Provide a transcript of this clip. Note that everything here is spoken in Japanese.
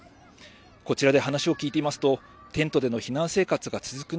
こちらで話を聞いていますとテントでの避難生活が続く